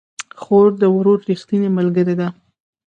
خور د ورور ريښتينې ملګرې ده